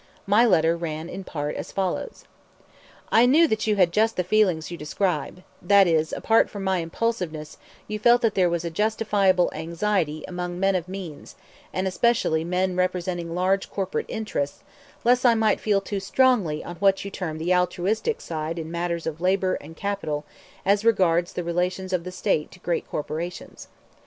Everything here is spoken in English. My letter ran in part as follows: "I knew that you had just the feelings that you describe; that is, apart from my 'impulsiveness,' you felt that there was a justifiable anxiety among men of means, and especially men representing large corporate interests, lest I might feel too strongly on what you term the 'altruistic' side in matters of labor and capital and as regards the relations of the State to great corporations.